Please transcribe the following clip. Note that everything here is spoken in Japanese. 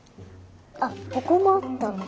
あっここもあった。